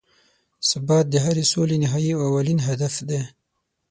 ثبات د هرې سولې نهایي او اولین هدف دی.